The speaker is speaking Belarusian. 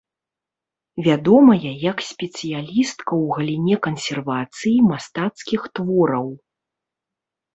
Вядомая як спецыялістка ў галіне кансервацыі мастацкіх твораў.